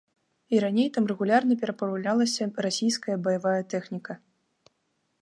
І раней там рэгулярна перапраўлялася расійская баявая тэхніка.